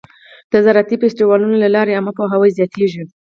د زراعتي فستیوالونو له لارې عامه پوهاوی زیاتېږي.